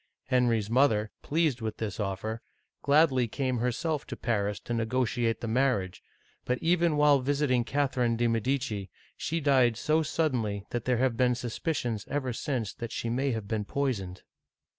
Henry's mother, pleased with this offer, gladly came herself to Paris to negotiate the marriage, but even while visiting Catherine de' Medici, she died so sud denly that there have been suspicions ever since that she may have been poisoned.